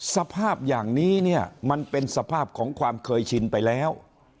สภาพอย่างนี้เนี่ยมันเป็นสภาพของความเคยชินไปแล้ว